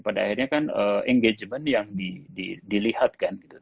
pada akhirnya kan engagement yang dilihat kan gitu